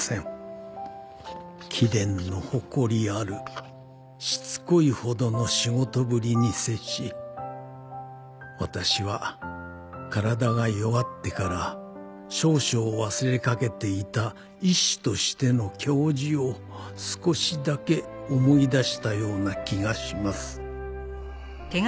「貴殿の誇りあるしつこいほどの仕事振りに接し私は体が弱ってから少々忘れかけていた医師としての矜持を少しだけ思い出した様な気がします」